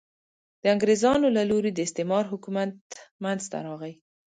د انګرېزانو له لوري د استعمار حکومت منځته راغی.